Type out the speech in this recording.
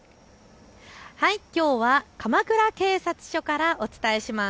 きょうは鎌倉警察署からお伝えします。